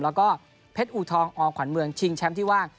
แล้วก็เพชรอูทองอขวัญเมืองชิงแชมป์ที่ว่าง